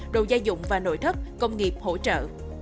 đồ gia dụng và nội thất công nghiệp hỗ trợ